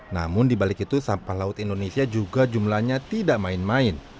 namun dibalik itu sampah laut indonesia juga jumlahnya tidak main main